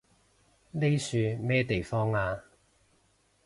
呢樹咩地方啊？